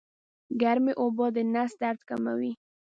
ګرمې اوبه د نس درد کموي